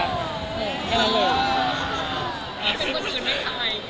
แคลรังเลย